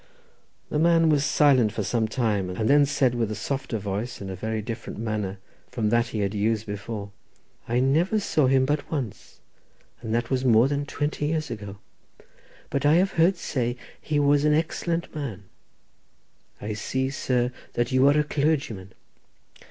The man was silent for some time, and then said with a softer voice, and a very different manner from that he had used before, "I never saw him but once, and that was more than twenty years ago—but I have heard say that he was an excellent man—I see, sir, that you are a clergyman."